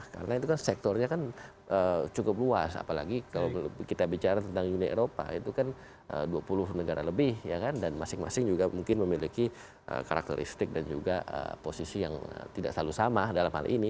karena itu kan sektornya cukup luas apalagi kalau kita bicara tentang uni eropa itu kan dua puluh negara lebih dan masing masing juga mungkin memiliki karakteristik dan juga posisi yang tidak selalu sama dalam hal ini